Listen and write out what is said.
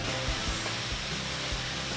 ini tinggal kita aduk aja